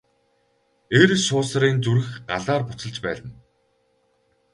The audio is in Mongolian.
Эр суусрын зүрх Галаар буцалж байна.